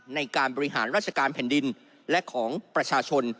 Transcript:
ในการบริหารราชการแผ่นดินและของประชาชน